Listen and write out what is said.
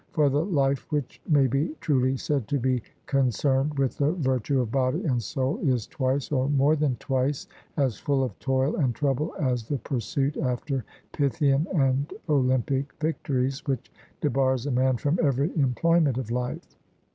For the life which may be truly said to be concerned with the virtue of body and soul is twice, or more than twice, as full of toil and trouble as the pursuit after Pythian and Olympic victories, which debars a man from every employment of life.